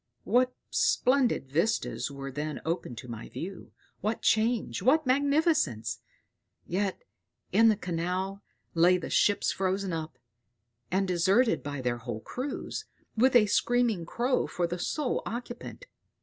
What splendid vistas were then opened to my view! What change what magnificence! Yonder in the canal lay the ships frozen up, and deserted by their whole crews, with a screaming crow for the sole occupant.